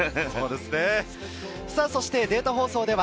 そしてデータ放送では